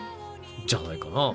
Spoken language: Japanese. じゃないかな。